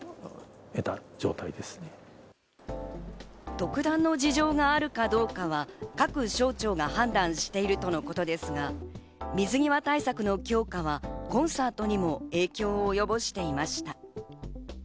特段の事情があるかどうかは各省庁が判断しているとのことですが、水際対策の強化はコンサートにも影響をおよぼしていました。